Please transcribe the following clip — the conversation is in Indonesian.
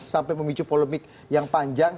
sampai memicu polemik yang panjang